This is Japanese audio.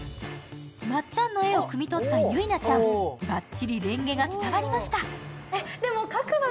まっちゃんの絵をくみ取ったゆいなちゃん、バッチリれんげが伝わりました。